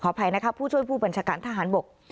อภัยนะคะผู้ช่วยผู้บัญชาการทหารบก